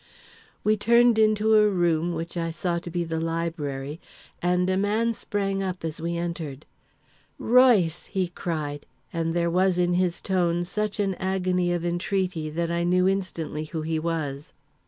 We turned into a room which I saw to be the library, and a man sprang up as we entered. "Royce!" he cried, and there was in his tone such an agony of entreaty that I knew instantly who he was.